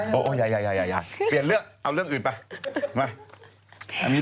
เปลี่ยนเรื่องเอาเรื่องอื่นไป